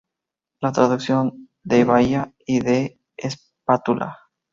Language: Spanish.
La traducción de Губа bahía y de Лопатка espátula.